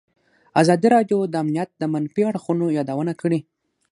ازادي راډیو د امنیت د منفي اړخونو یادونه کړې.